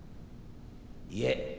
いえ。